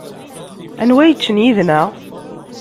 Anwa ara yeččen yid-neɣ?